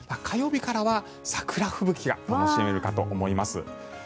火曜日からは桜吹雪が楽しめるかと思います。